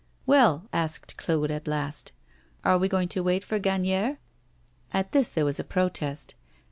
'Well,' asked Claude at last, 'are we going to wait for Gagnière?' At this there was a protest.